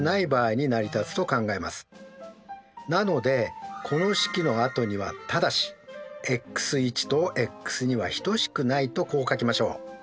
なのでこの式のあとには「ただしｘとｘは等しくない」とこう書きましょう。